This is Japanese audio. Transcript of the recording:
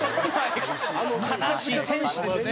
悲しい天使ですね。